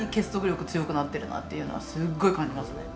力強くなってるなっていうのはすっごい感じますね。